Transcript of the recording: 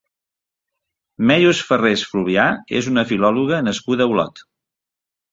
Meius Ferrés Fluvià és una filòloga nascuda a Olot.